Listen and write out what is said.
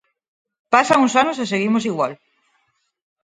Pasan os anos e seguimos igual.